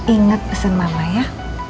ingat pesen mama ya